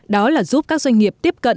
đó là giúp các doanh nghiệp tiếp cận